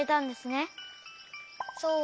そう。